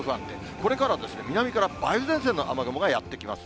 これから、南から梅雨前線の雨雲がやって来ます。